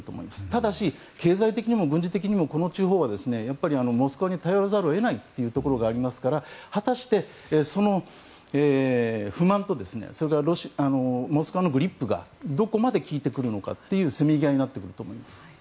ただし、経済的にも軍事的にもこの地方はモスクワに頼らざるを得ないところがありますから果たして、その不満とモスクワのグリップがどこまで効いてくるのかというせめぎ合いになっていると思います。